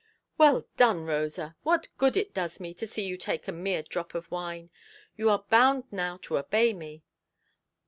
"Well done, Rosa! What good it does me to see you take a mere drop of wine! You are bound now to obey me.